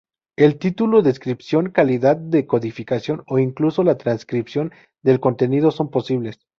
El título, descripción, calidad de codificación o incluso la transcripción del contenido son posibles.